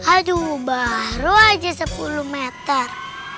aduh baru aja sepuluh meter